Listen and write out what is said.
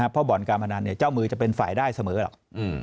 เพราะบ่อนการพนันเจ้ามือจะเป็นฝ่ายได้เสมอหรอก